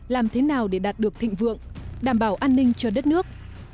làm thế nào để đạt được thịnh vượng đảm bảo an ninh cho đất nước